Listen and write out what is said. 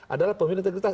adalah pemilu integritas